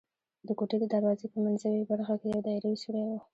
د کوټې د دروازې په منځوۍ برخه کې یو دایروي سوری و.